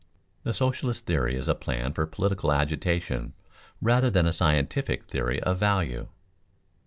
The socialist theory is a plan for political agitation rather than a scientific theory of value.